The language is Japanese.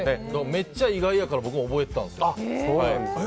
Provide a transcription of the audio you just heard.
めっちゃ意外やから僕も覚えてたんです。